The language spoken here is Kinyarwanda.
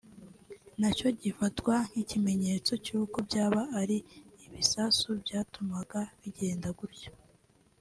nacyo gifatwa nk’ikimenyetso cy’uko byaba ari ibisasu byatumaga bigenda gutyo